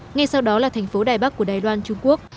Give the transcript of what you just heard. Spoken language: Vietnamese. ngay sau đó là thành phố đài bắc của đài loan trung quốc